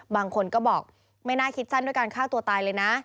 บางคนก็บอกไม่น่าคิดสั้นด้วยการฆ่าตัวตายเลยนะ